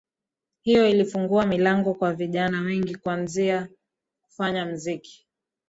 Hiyo ilifungua milango kwa vijana wengi kuanza kufanya mziki